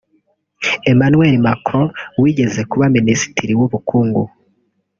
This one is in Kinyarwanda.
Emmanuel Macron wigeze kuba Minisitiri w’Ubukungu